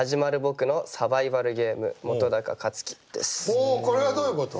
おこれはどういうこと？